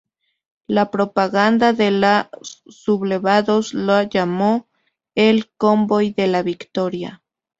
La propaganda de los sublevados la llamó el "Convoy de la Victoria".